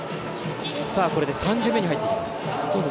これで３巡目に入ってきます。